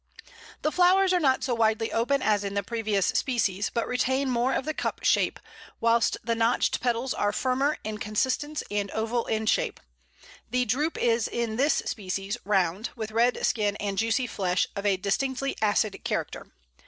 The flowers are not so widely open as in the previous species, but retain more of the cup shape, whilst the notched petals are firmer in consistence and oval in shape. The drupe is in this species round, with red skin and juicy flesh of a distinctly acid character.